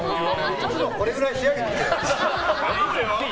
いつもこれくらい仕上げてきてよ。